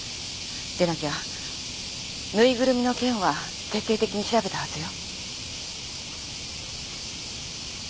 でなきゃぬいぐるみの件は徹底的に調べたはずよ。